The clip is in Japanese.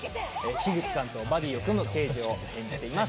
口さんとバディーを組む刑事を演じています